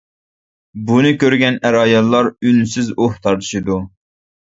بۇنى كۆرگەن ئەر ئاياللار ئۈنسىز ئۇھ تارتىشىدۇ.